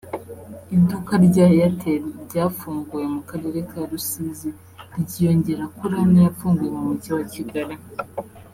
Iduka rya Airtel ryafunguwe mu karere ka Rusizi ryiyongera kuri ane yafunguwe mu mujyi wa Kigali